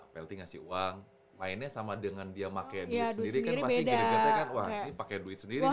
pelt ngasih uang mainnya sama dengan dia pakai duit sendiri kan pasti gede gede kan wah ini pakai duit sendiri